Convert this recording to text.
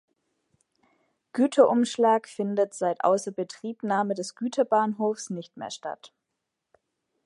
Güterumschlag findet seit Außerbetriebnahme des Güterbahnhofs nicht mehr statt.